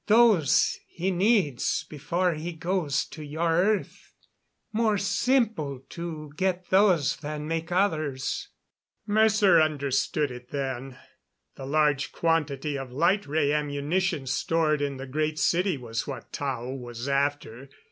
Those he needs before he goes to your earth. More simple to get those than make others." Mercer understood it then. The large quantity of light ray ammunition stored in the Great City was what Tao was after.